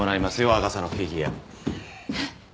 アガサのフィギュアえっ？